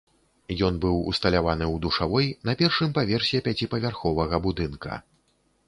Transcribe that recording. Ён быў усталяваны ў душавой на першым паверсе пяціпавярховага будынка.